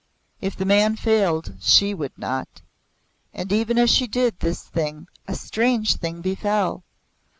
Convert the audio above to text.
If the man failed, she would not! And even as she did this a strange thing befell.